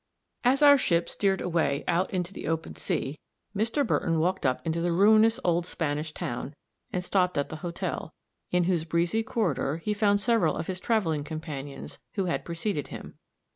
As our ship steered away out into the open sea, Mr. Burton walked up into the ruinous old Spanish town, and stopped at the hotel, in whose breezy corridor he found several of his traveling companions, who had preceded him.